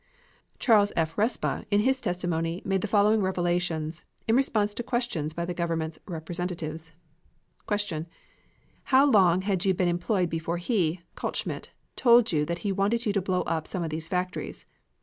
Charles F. Respa, in his testimony made the following revelations in response to questions by the government's representatives: Q. How long had you been employed before he (Kaltschmidt) told you that he wanted you to blow up some of these factories?